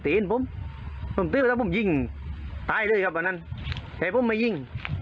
เห็นผมผมตื้อไปแล้วผมยิงตายเลยครับวันนั้นแต่ผมมายิง